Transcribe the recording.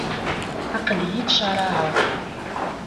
Aql-iyi ttcaraɛeɣ.